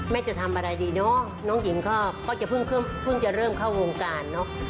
จะทำอะไรดีเนอะน้องหญิงก็จะเพิ่งจะเริ่มเข้าวงการเนอะ